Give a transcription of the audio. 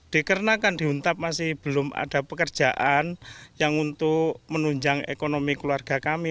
dikarenakan di huntap masih belum ada pekerjaan yang untuk menunjang ekonomi keluarga kami